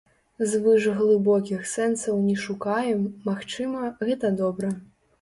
Звышглыбокіх сэнсаў не шукаем, магчыма, гэта добра.